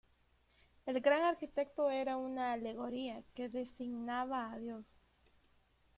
El Gran Arquitecto era una alegoría que designaba a Dios.